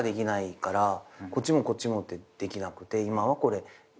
こっちもこっちもってできなくて今はこれ。